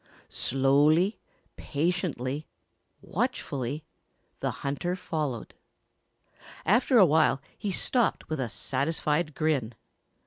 Slowly, patiently, watchfully, the hunter followed. After a while he stopped with a satisfied grin.